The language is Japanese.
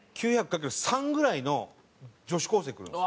かける３ぐらいの女子高生来るんですよ。